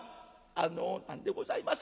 「あの何でございます